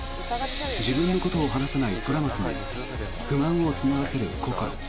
自分のことを話さない虎松に不満を募らせる、こころ。